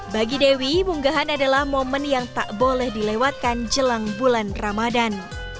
bagi dewi munggahan adalah momen yang tak boleh dilewatkan jelang bulan ramadan